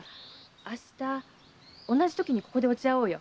明日同じ刻にここで落ち合おうよ。